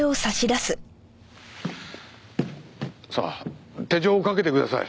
さあ手錠をかけてください。